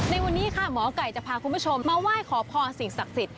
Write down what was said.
ในวันนี้ค่ะหมอไก่จะพาคุณผู้ชมมาไหว้ขอพรสิ่งศักดิ์สิทธิ